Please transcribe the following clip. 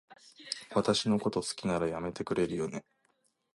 私のこと好きなら、やめてくれるよね？